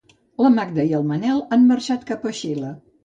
La Magda i el Manel han marxat cap a Xile.